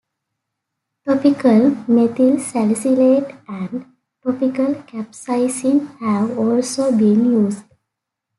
Topical methyl salicylate and topical capsaicin have also been used.